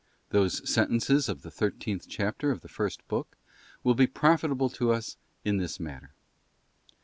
Those sen tences of the thirteenth chapter of the first book will be profitable to us in this matter.